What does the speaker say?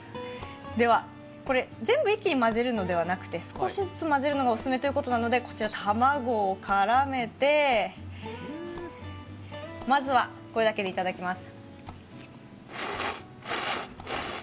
では、全部一気に混ぜるのではなくて少しずつ混ぜるのがおすすめということなのでこちら卵を絡めて、まずはこれだけでいただきます。